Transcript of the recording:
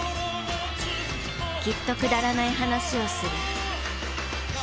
きっとくだらない話をする。